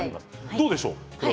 どうでしょう？